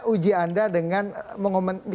uji anda dengan mengomentari